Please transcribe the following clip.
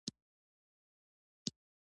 خپلې اړتیاوې بیان کوو.